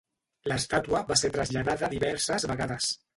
L'estàtua va ser traslladada diverses vegades.